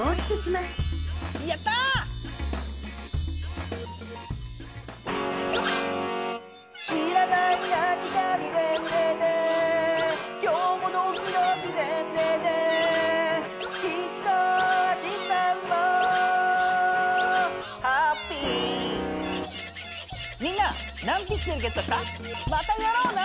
またやろうな！